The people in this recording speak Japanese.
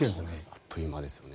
あっという間ですね。